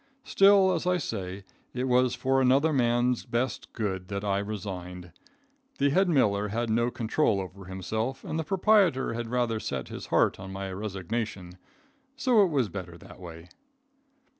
Still, as I say, it was for another man's best good that I resigned. The head miller had no control over himself and the proprietor had rather set his heart on my resignation, so it was better that way.